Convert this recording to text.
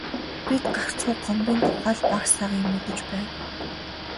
Бид гагцхүү Гомбын тухай л бага сага юм мэдэж байна.